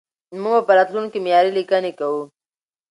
موږ به په راتلونکي کې معياري ليکنې کوو.